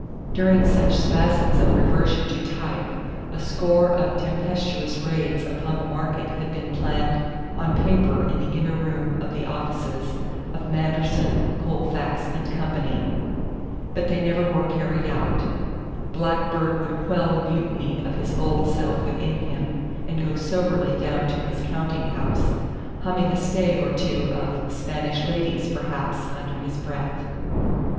During such spasms of reversion to type a score of tempestuous raids upon the market had been planned on paper in the inner room of the offices of Manderson, Colefax and Company. But they were never carried out. Blackbeard would quell the mutiny of his old self within him and go soberly down to his counting house humming a stave or two of "Spanish Ladies," perhaps, under his breath.